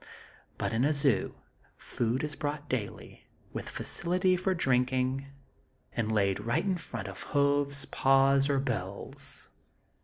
But in a zoo, food is brought daily, with facility for drinking, and laid right in front of hoofs, paws or bills.